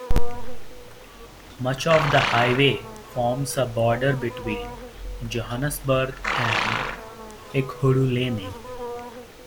Much of the highway forms a border between Johannesburg and Ekhuruleni.